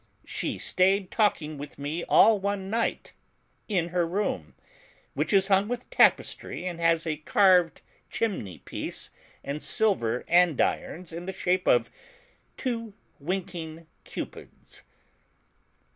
She stayed talking with me all one night in her room, which is hung with tapestry and has a carved chimney piece, and silver andirons in the shape of two winking cupids."